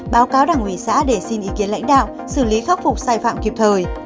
báo cáo đảng ủy xã để xin ý kiến lãnh đạo xử lý khắc phục sai phạm kịp thời